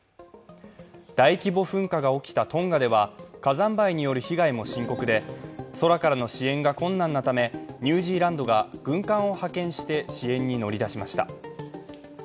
大規模噴火が起きたトンガでは火山灰による被害も深刻で空からの支援が困難なためニュージーランドが軍艦を派遣して支援に乗り出しました。